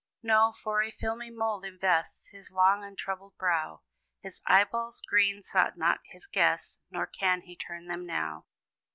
No! for a filmy mold invests His long untroubled brow; His eyeballs green sought not his guests, Nor can he turn them now.